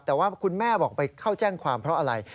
แต่ว่าคุณแม่บอกไปเข้าแจ้งความเพราะอะไร